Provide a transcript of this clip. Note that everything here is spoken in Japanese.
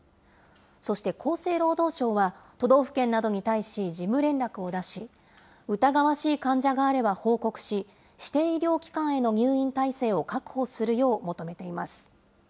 そして、厚生労働省は都道府県などに対し事務連絡を出し、疑わしい患者があれば報告し、指定医療機関への入院体制を確保するよう求めています。